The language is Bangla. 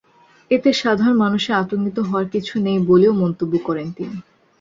এতে সাধারণ মানুষের আতঙ্কিত হওয়ার কিছু নেই বলেও মন্তব্য করেন তিনি।